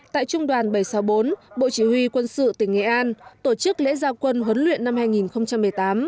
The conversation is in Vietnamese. tại trung đoàn bảy trăm sáu mươi bốn bộ chỉ huy quân sự tỉnh nghệ an tổ chức lễ gia quân huấn luyện năm hai nghìn một mươi tám